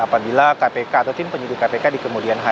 apabila kpk atau tim penyidik kpk dikemudiannya